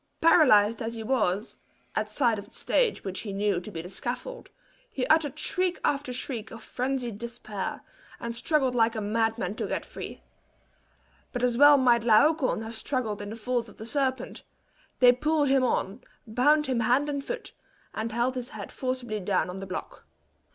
Paralyzed as he was, at sight of the stage which he knew to be the scaffold, he uttered shriek after shriek of frenzied despair, and struggled like a madman to get free. But as well might Laocoon have struggled in the folds of the serpent; they pulled him on, bound him hand and foot, and held his head forcibly down on the block.